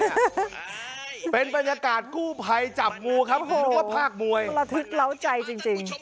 เรียนเรียนเรียนเรียนเรียนเรียนเรียนเรียนเรียน